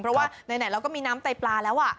เพราะว่าไหนเราก็มีน้ำไตปลาแล้ว